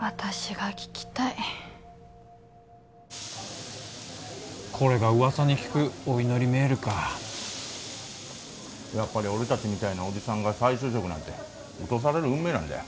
私が聞きたいこれが噂に聞くお祈りメールかやっぱり俺達みたいなおじさんが再就職なんて落とされる運命なんだよ